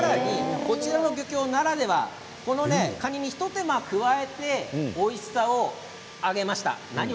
こちらの東京ならではカニに一手間、加えておいしさを上げました。